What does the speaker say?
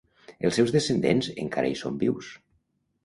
Els seus descendents encara hi són vius.